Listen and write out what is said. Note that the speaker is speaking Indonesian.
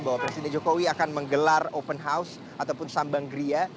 bahwa presiden jokowi akan menggelar open house ataupun sambang gria